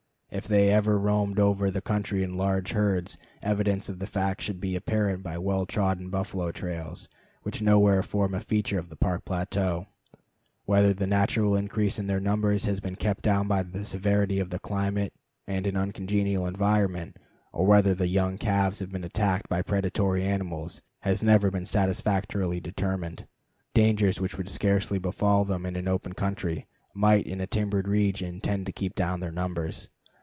If they ever roamed over this country in large herds, evidence of the fact should be apparent by well trodden buffalo trails, which nowhere form a feature of the Park plateau. Whether the natural increase in their numbers has been kept down by the severity of the climate and an uncongenial environment, or whether the young calves have been attacked by predatory animals, has never been satisfactorily determined. Dangers which would scarcely befall them in an open country might in a timbered region tend to keep down their numbers.